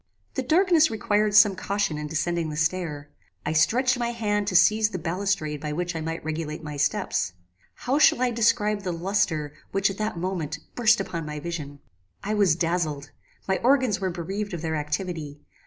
"The darkness required some caution in descending the stair. I stretched my hand to seize the balustrade by which I might regulate my steps. How shall I describe the lustre, which, at that moment, burst upon my vision! "I was dazzled. My organs were bereaved of their activity.